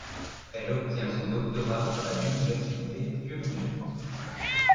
Elle obtient son doctorat à l'université Purdue.